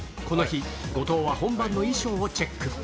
この日、後藤は本番の衣装をチェック。